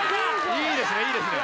いいですねいいですね！